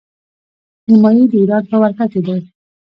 نیمايي د ایران په ولکه کې دی.